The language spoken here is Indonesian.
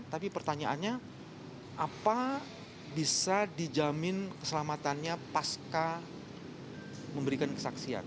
tapi pertanyaannya apa bisa dijamin keselamatannya pasca memberikan kesaksian